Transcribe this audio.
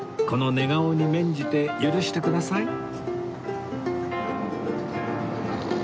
この寝顔に免じて許してください